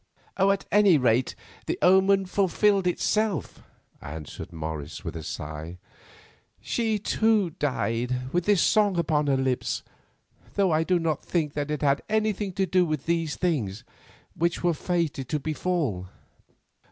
"At any rate, the omen fulfilled itself," answered Morris, with a sigh, "and she, too, died with the song upon her lips, though I do not think that it had anything to do with these things, which were fated to befall."